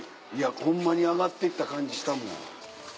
ホンマに上がっていった感じしたもん。